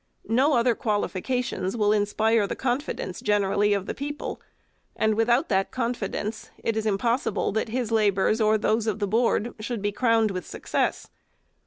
No other qualifications will inspire the con fidence generally of the people ; and without that confidence, it is impossible that his labors or those of the Board should be crowned with success.